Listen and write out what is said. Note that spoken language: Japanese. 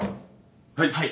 はい。